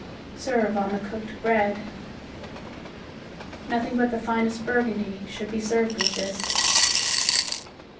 Serve on the cooked bread. Nothing but the finest Burgundy should be served with this.